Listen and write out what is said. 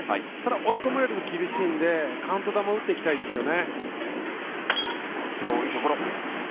追い込まれると厳しいのでカウント球を振っていきたいですよね。